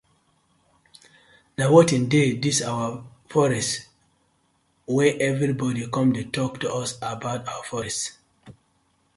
Na wetin dey dis our wey everi bodi com to tok to us abour our forest.